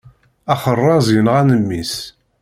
Axeṛṛaz yenɣan mmi-s.